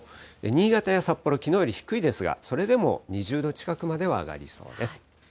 新潟や札幌、きのうより低いですが、それでも２０度近くまでは上がりそうです。